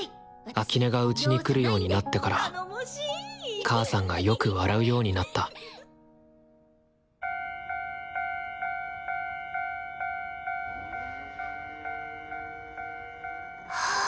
秋音がうちに来るようになってから母さんがよく笑うようになったはぁ。